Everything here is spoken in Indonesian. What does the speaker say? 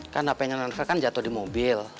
kan hpnya non driver jatuh di mobil